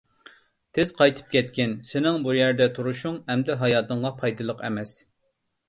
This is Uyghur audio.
تېز قايتىپ كەتكىن، سېنىڭ بۇ يەردە تۇرۇشۇڭ ئەمدى ھاياتىڭغا پايدىلىق ئەمەس.